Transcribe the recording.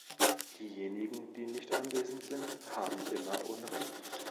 Diejenigen, die nicht anwesend sind, haben immer unrecht.